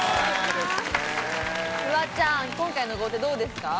フワちゃん、今回の豪邸どうですか？